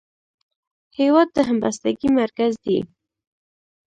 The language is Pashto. هېواد د همبستګۍ مرکز دی.